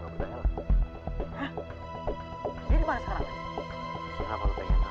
kenapa lo pengen tau